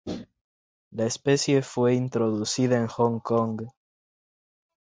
La especie fue introducida en Hong Kong.